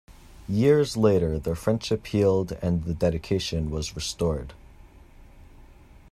Years later, their friendship healed and the dedication was restored.